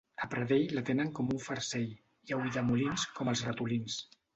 A Pradell la tenen com un farcell i a Ulldemolins com els ratolins.